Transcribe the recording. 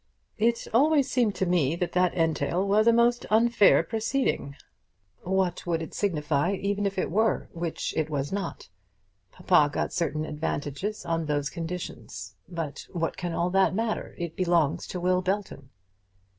"It always seemed to me that that entail was a most unfair proceeding." "What would it signify even if it were, which it was not? Papa got certain advantages on those conditions. But what can all that matter? It belongs to Will Belton."